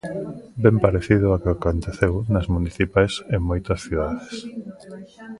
Ben parecido ao que aconteceu nas municipais en moitas cidades.